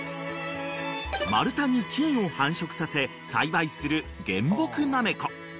［丸太に菌を繁殖させ栽培する原木なめこ］